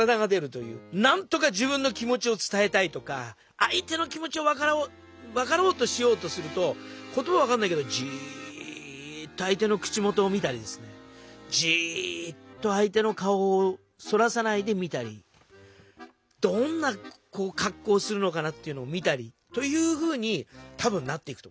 なんとか自分の気持ちを伝えたいとかあい手の気持ちを分かろうとしようとすると言葉は分かんないけどジーッとあい手の口元を見たりですねジーッとあい手の顔をそらさないで見たりどんなかっこうをするのかなっていうのを見たりというふうにたぶんなっていくと思う。